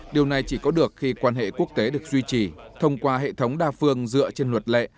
điều này chỉ có được khi quan hệ quốc tế được duy trì thông qua hệ thống đa phương dựa trên luật lệ